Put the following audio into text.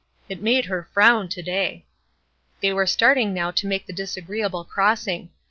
It made her frown to day. They were starting now to make the disagreeable crossing.